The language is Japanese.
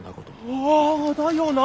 あだよな。